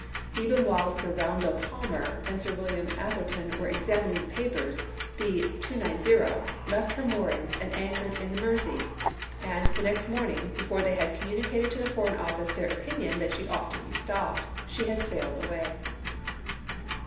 Even while Sir RoundeU Palmer and Sir William Atherton were examining the papers, the " 290 " left her moorings and anchored in the Mersey, and the next morning, before they had communicated to the Foreign Office their opinion that she ought to be stopped, she had sailed away.